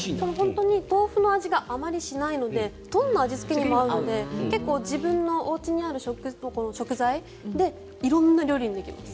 豆腐の味があまりしないのでどんな味付けにも合うので自分のおうちにある食材で色んな料理にできます。